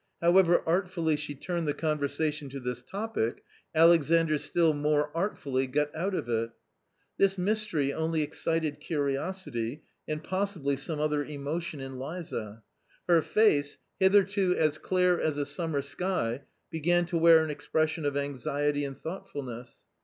However artfully she turned the conversation to this topic, Alexandr still more artfully got out of it. This mystery only^excited curiosity and possibly some other emotion in (^izaj) Her face, hitherto as clear as a summer sky, began to wear an expression of anxiety and thoughtfulness.